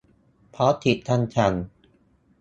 เพราะติดคำสั่ง